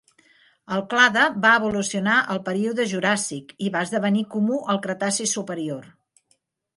El clade va evolucionar al període Juràssic, i va esdevenir comú al Cretaci superior.